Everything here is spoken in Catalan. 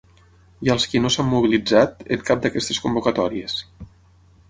I als qui no s’han mobilitzat en cap d’aquestes convocatòries.